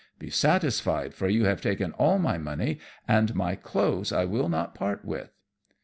Be satisfied, for you have taken all my money, and my clothes I will not part with."